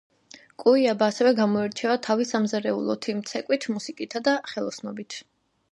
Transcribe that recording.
კუიაბა ასევე გამოირჩევა თავის სამზარეულოთი, ცეკვით, მუსიკითა და ხელოსნობით.